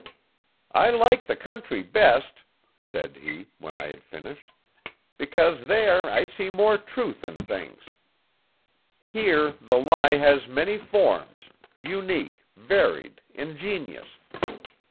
'I like the country best,' said he, when I had finished, 'because there I see more truth in things. Here the lie has many forms unique, varied, ingenious.